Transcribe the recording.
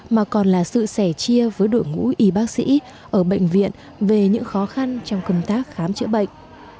mà còn là sự sẻ chia với đội ngũ y bác sĩ ở bệnh viện về những khó khăn trong công tác khám chữa bệnh